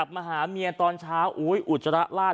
มาหาเมียตอนเช้าอุจจาระลาด